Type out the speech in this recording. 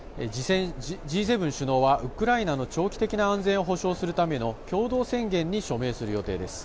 Ｇ７首脳はウクライナの長期的な安全を保障するための共同宣言に署名する予定です。